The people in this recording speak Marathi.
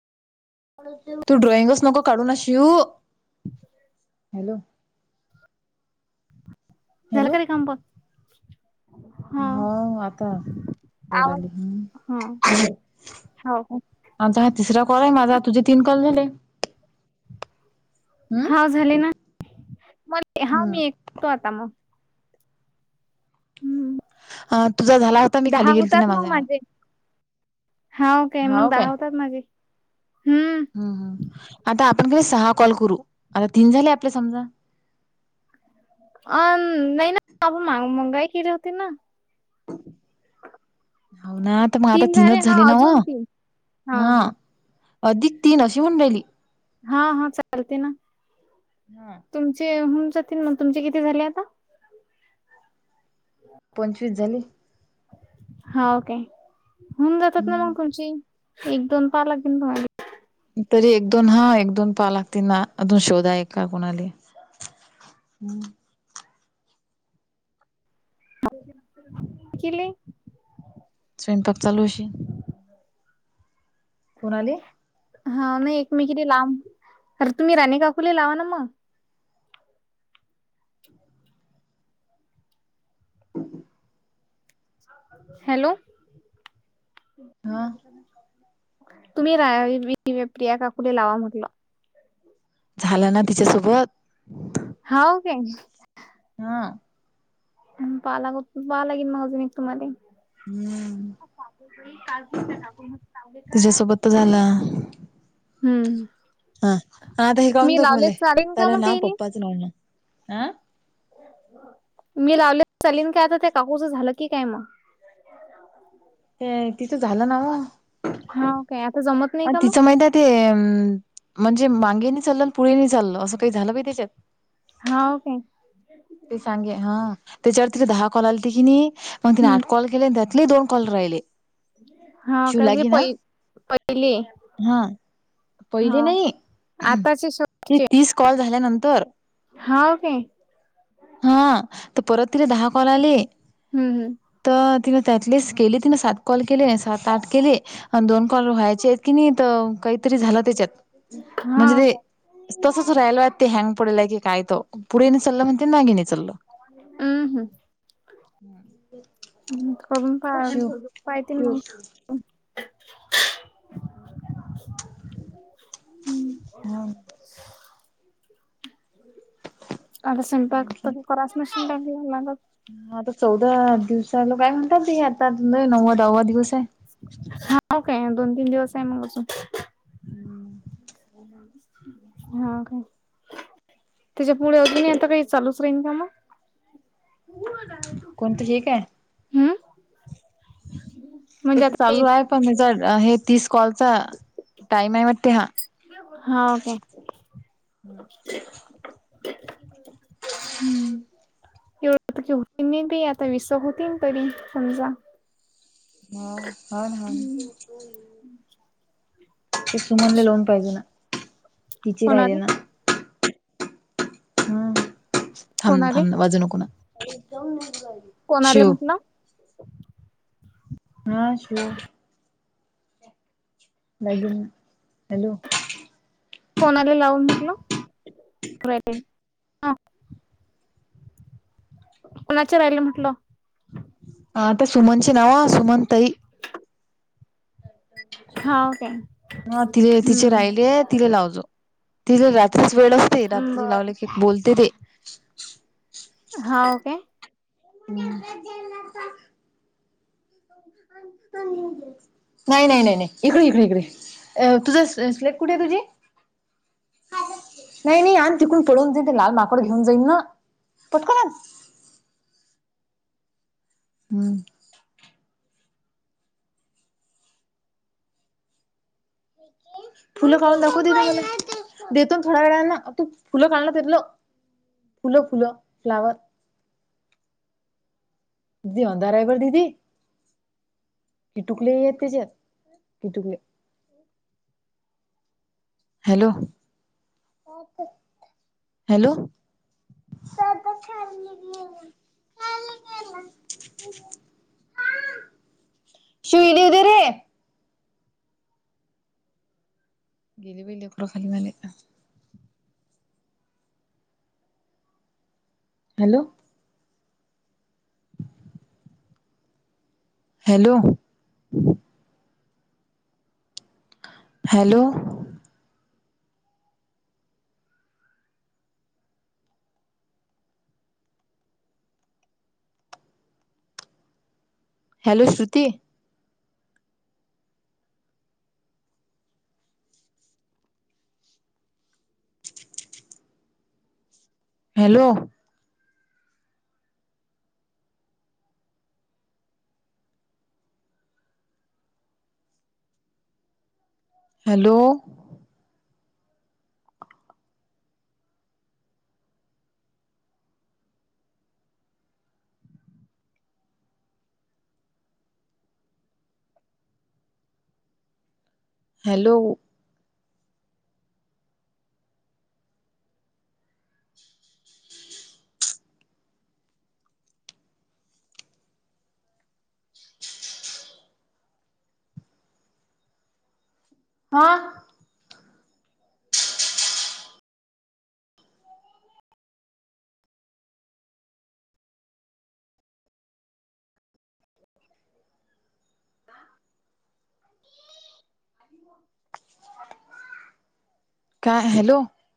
तू ड्रॉइंगच नको काढूना शिवु हॅलो‌. झालं हॅलो कारे काम. हा हो आता, बर आली आवाज हं. हा हो हो आता हा तिसरा कॉल आहे माझा तुझे तीन कॉल झाले. हाव झाले ना मग, हा हम्म मी एकतो आता मग. हम्म. तुझा झाला. मी दहा खाली गेलती ना होतात मग माझ्या माझे हाव काय मग दहा होतात माझे. हम्म. हम्म हम्म. आता आपण सहा कॉल करू आता तीन झाले आपले समजा. अ नाही ना मंगावा ही केले होते न. हो ना तर मग आता तीन झाले तीनच हा झाली अजून नावं तीन हा. अधिक तीन अशी, म्हणू राहिली. हा हा, चालते ना. हा. तुमचे होऊन जातील मग, तुमचे किती झाले आता. पंचवीस झाले. हाव काय होऊन जातात ना हम्म मग, तुमची एक दोन पार लागेल तुम्हाले. तरी एक दोन हा एक दोन पाहा लागतील, ना अजून शोधा एक का कुणाले. हम्म. [unintelligible] स्वयंपाक चालू अशील. कोण आले. हा नाही एकमेकींना लांब अरे तुम्ही राणी काकूंले लावा ना मग. [inaudible] हॅलो. हां. तुम्ही राहा प्रिया काकुले लावा म्हटलं. झालं ना तिच्यासोबत. हाव काय. हां. पाला पाहा लागेन मग अजून तुम्हाले. हम्म चांगई काल दिन टाकून, म्ह चांगले काय. तिच्यासोबत तर झाला हम्म. हा आता हे काढून मी दाक लावले मले, चालेल का त्याला मग ना तेले पप्पाच नाव ना, आ? मी लावले चालीन काय आता ते, काकूचं झालं की काय मग? ते, तिचं झालं ना हाव काय आता जमत नाही ग का मग तिचं माहितीये ते म्हणजे मागेनी चाललं आणि पुढे नाही चाललं असं काही झालं बाई त्याच्यात. हाव काय? ते सांगे हा, त्याच्यावर तिला दहा कॉल आलते की नाही मग, तिने हम्म आठ कॉल केले त्यातले दोन कॉल राहिले. हा, शिव काय गे लागी ना पहि पहिलेय हा, पहिले नाही, आताचे श ते तीस कॉल झाल्यानंतर. हाऊ काय? हा, तर परत तिला दहा कॉल आले हम्म हम्म तर तिला त्यातलीच केलीत ना मी सात कॉल केले, सात, आठ केले. अन दोन कॉल व्हायचे आहेत की नाही इथ, काहीतरी झालं त्याच्यात. म्हणजे हाव ते, काय तसच राहियला ते हँग पडेल आहे की काय तो, पुढे नि चालेल म्हण ते मागे नाही चालं. हम्. हम्म. बर. करून पाहा पाहतील शिव मग, हम्म. हं न [inaudible] आता संपाक, आणखी क्रॉ मशीन टालं. हा आता चौदा दिवसाला काय म्हणतात, ते आता नव्वा दहावा दिवस आहे. हाव काय दोन तीन दिवस आहे मग अजून. हंम्म. हा काय. तिच्या पुढे अजूनही आता काही चालूच राहीन का मग? कोण तुझी हे काय? हम्म. ते म्हणजे तर आता चालू आहे, पण त्याचा हे तीस कॉलचा टाइम आहे वाटते हा. हाव काय? हम्म. तेव की होती मी बी आता विस होती तरी समजा. मग, हो ना हो ना. ते सुमनले लोन पाहिजे ना, तिची राहिले कोणाले ना. हम्म थांब कोणाले थांब वाजवू नको ना. कोणा आले शिव म्हंटला, हा. शिव बॅग घेऊ ना हॅलो. कोणाले लावून म्हटलंट ह. कोणाचे राहिले म्हटलं, आता सुमनचे नव सुमनताई. हा ओके हा, तिले तिचे हम्म राहिले तिला लावतो. तिले रात्रीच वेळ असते, रात्री बर लावले की बोलते ती हाव काय. [unintelligible] नाही नाही नाही नाही, इकडे इकडे इकडे, तुझ स्लेप कुठे आहे तुझी? नाही नाही आण तिकडून पळून जाईल ते लाल माकड घेऊन जाईन ना, पटकन आण. हम्म. फुलं काढून दाखव दिदी मला. देतो थोड्या वेळना तू फुलं काढला देतलं फुलं फुलं फ्लावर. दिदी होंदार रायबर दीदी. किटुकले आहेत त्याच्यात किटुकले. हॅलो. हॅलो. [unintelligible] सुुई देऊ दे रे. [unintelligible] Hello. Hello. Hello. Hello Shruti. Hello. Hello. Hello. हा. काय हॅलो.